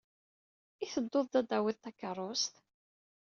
I teddud ad d-tawyed takeṛṛust?